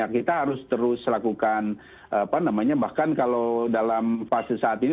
kita harus terus lakukan apa namanya bahkan kalau dalam fase saat ini